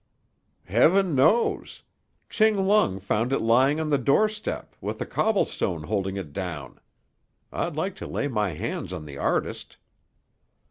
"Heaven knows! Ching Lung found it lying on the door step, with a cobblestone holding it down. I'd like to lay my hands on the artist."